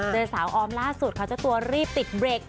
เจอสาวออมล่าสุดเขาจะตัวรีบติดเบรค